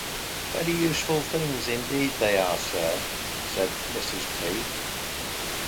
"Very useful things indeed they are, sir," said Mrs. P..